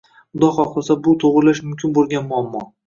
Xudo xohlasa bu to'g'rilash mumkin bo'lgan muammo.